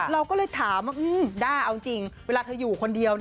เราก็เลยถามว่าด้าเอาจริงเวลาเธออยู่คนเดียว